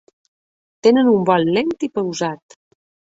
Tenen un vol lent i pausat.